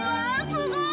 すごい！